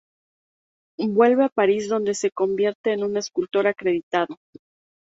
Vuelve a París donde se convierte en un escultor acreditado.